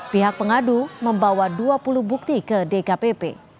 pihak pengadu membawa dua puluh bukti ke dkpp